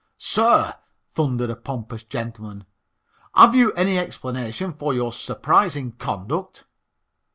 "Sir," thundered a pompous gentleman, "have you any explanation for your surprising conduct?"